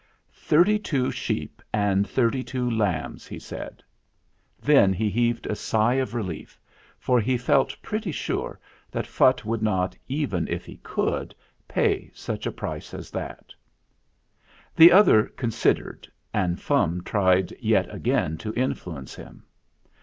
"Thirty two sheep and thirty two lambs," he said. Then he heaved a sigh of relief, for he felt pretty sure that Phutt would not, even if he could, pay such a price as that. THE MAKING OF THE CHARM 29 The other considered, and Fum tried yet again to influence him.